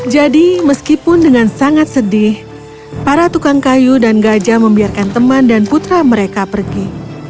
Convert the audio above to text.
jadi meskipun dengan sangat sedih para tukang kayu dan gajah membiarkan teman dan putra mereka pergi